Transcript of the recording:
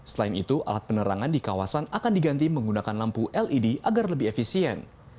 selain itu alat penerangan di kawasan akan diganti menggunakan lampu led agar lebih efisien